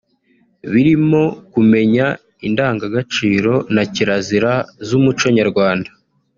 birimo kumenya indangagaciro na kirazira z’umuco nyarwanda